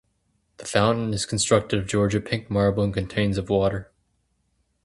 The fountain is constructed of Georgia pink marble and contains of water.